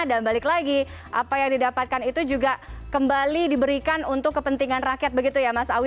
dan balik lagi apa yang didapatkan itu juga kembali diberikan untuk kepentingan rakyat begitu ya mas awi